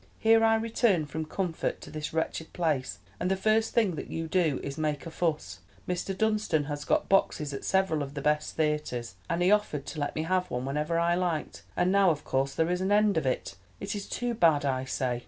Here I return from comfort to this wretched place, and the first thing that you do is make a fuss. Mr. Dunstan has got boxes at several of the best theaters, and he offered to let me have one whenever I liked—and now of course there is an end of it. It is too bad, I say!"